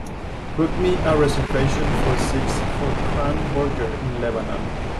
Book me a reservation for six for Crown Burgers in Lebanon